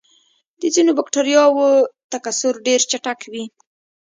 د ځینو بکټریاوو تکثر ډېر چټک وي.